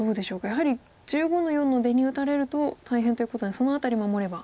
やはり１５の四の出に打たれると大変ということでその辺り守れば。